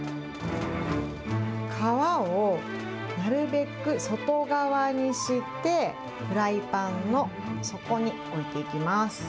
皮をなるべく外側にして、フライパンの底に置いていきます。